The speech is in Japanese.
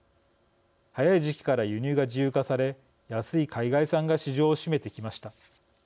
早い時期から輸入が自由化され安い海外産が市場を占めてきました。